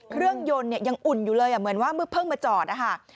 เครื่องยนต์ยังอุ่นอยู่เลยเหมือนว่ามึงเพิ่งมาจอด